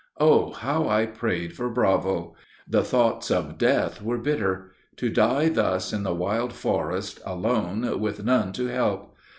Oh! how I prayed for Bravo! The thoughts of death were bitter. To die thus in the wild forest, alone, with none to help!